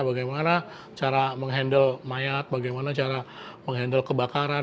bagaimana cara mengendal mayat bagaimana cara mengendal kebakaran